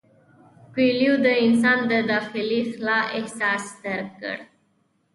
کویلیو د انسان د داخلي خلا احساس درک کړ.